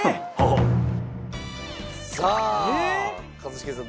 さあ一茂さん